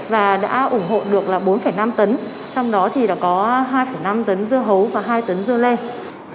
và đã ủng hộ được là bốn năm tấn trong đó thì có hai năm tấn dưa hấu và hai tấn dưa len